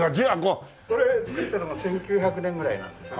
これ作られたのが１９００年ぐらいなんですよね。